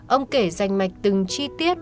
ông kể danh mạch từng chi tiết